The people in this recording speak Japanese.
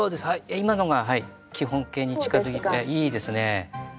今のが基本型に近づいていいですね。